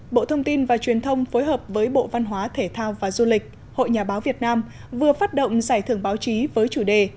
bộ thông tin và truyền thông phối hợp với bộ văn hóa thể thao và du lịch hội nhà báo việt nam vừa phát động giải thưởng báo chí với chủ đề